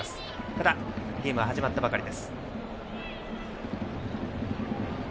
ただ、ゲームは始まったばかり。